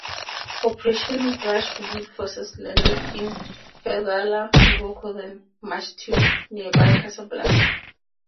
Operation Brushwood forces landed in Fedhala, Morocco, then marched to nearby Casablanca.